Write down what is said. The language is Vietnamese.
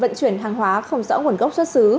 vận chuyển hàng hóa không rõ nguồn gốc xuất xứ